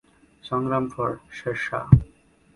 সংগ্রাম ফর শেরশাহ!